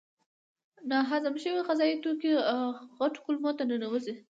ناهضم شوي غذایي توکي غټو کولمو ته ننوزي.